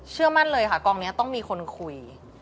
เชื่อมั่นเลยค่ะกองนี้ต้องมีคนคุย